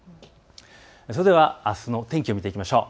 それではあすの天気を見ていきましょう。